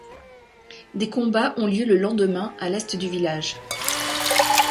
Des combats ont lieu le lendemain à l'est du village.